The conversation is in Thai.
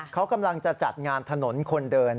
เขากำลังจะจัดงานถนนคนเดิน